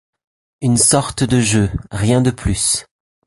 Une sorte de jeu, rien de plus.